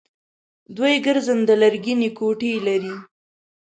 دوی ګرځنده لرګینې کوټې لري.